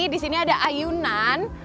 di sini ada ayunan